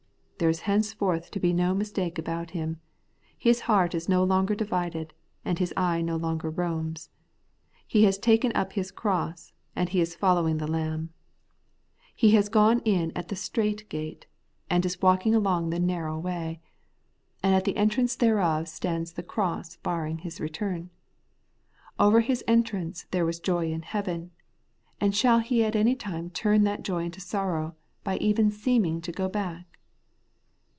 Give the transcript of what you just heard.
There is henceforth to be no mistake about him. His heart is no longer divided, and his eye no longer roams. He has taken up his cross, and he is following the Lamb. He has gone in at the strait gate, and is walking The Holy Life of the Justified, 203 along the narrow way ; and at the entrance thereof stands the cross barring his return. Over his en trance there was joy in heaven ; and shall he at any time turn that joy into sorrow by even seeming to go back